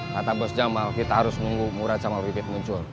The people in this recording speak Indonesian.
kata bos jamal kita harus nunggu murad sama bibit muncul